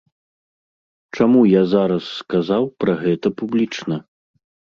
Чаму я зараз сказаў пра гэта публічна?